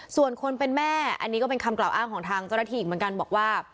ส่วนคนเป็นแม่อันนี้ก็เป็นคำกล่าวอ้างของทางเจ้าหน้าที่อีกเหมือนกันบอกว่า